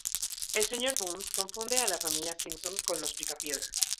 El Sr. Burns confunde a la familia Simpson con Los Picapiedra.